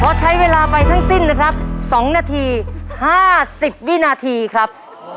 เพราะใช้เวลาไปทั้งสิ้นนะครับ๒นาที๕๐วินาทีครับ